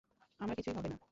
আমার কিছুই হবে না।